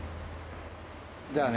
じゃあね。